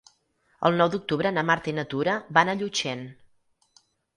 El nou d'octubre na Marta i na Tura van a Llutxent.